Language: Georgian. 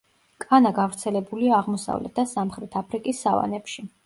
კანა გავრცელებულია აღმოსავლეთ და სამხრეთ აფრიკის სავანებში.